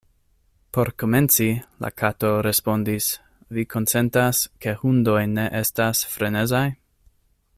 "Por komenci," la Kato respondis, "vi konsentas ke hundoj ne estas frenezaj?"